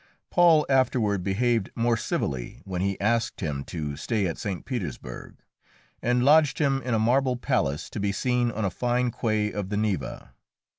Paul afterward behaved more civilly when he asked him to stay at St. Petersburg, and lodged him in a marble palace to be seen on a fine quay of the Neva.